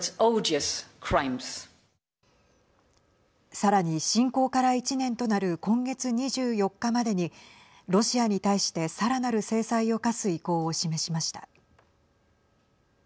さらに、侵攻から１年となる今月２４日までにロシアに対してさらなる制裁を科す意向を示しました。